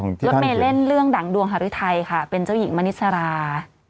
รถเมย์เล่นเรื่องดั่งดวงฮารุทัยค่ะเป็นเจ้าหญิงมณิสรา